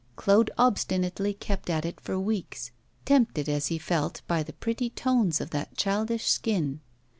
Claude obstinately kept at it for weeks, tempted as he felt by the pretty tones of that childish skin.